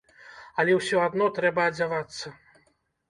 Але ўсё адно трэба адзявацца.